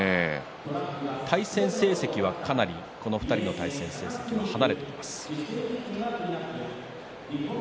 対戦成績はかなりこの２人の対戦成績離れています。